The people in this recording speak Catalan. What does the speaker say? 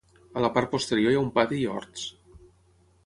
A la part posterior hi ha un pati i horts.